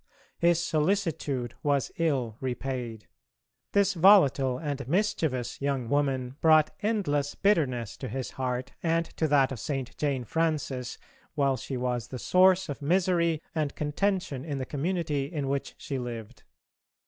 His solicitude was ill repaid. This volatile and mischievous young woman brought endless bitterness to his heart, and to that of St. Jane Frances, while she was the source of misery and contention in the community in which she lived.